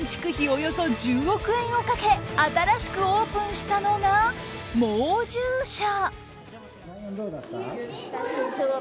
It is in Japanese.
およそ１０億円をかけ新しくオープンしたのが、猛獣舎。